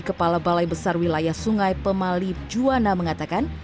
kepala balai besar wilayah sungai pemali juwana mengatakan